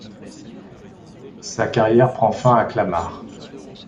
Sa carrière prend fin à Clamart.